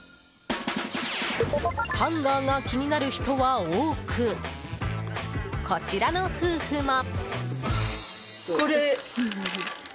ハンガーが気になる人は多くこちらの夫婦も。